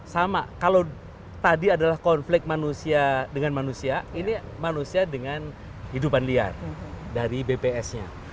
sama kalau tadi adalah konflik manusia dengan manusia ini manusia dengan hidupan liar dari bps nya